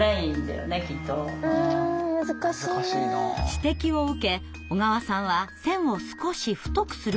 指摘を受け小川さんは線を少し太くすることを決めました。